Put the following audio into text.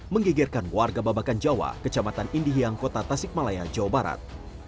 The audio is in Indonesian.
menggigirkan warga babakan jawa kecamatan indihiyang kota tasikmalaya jawa barat